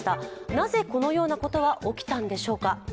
なぜこのようなことが起きたんでしょうか。